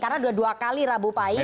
karena dua kali rabu pahing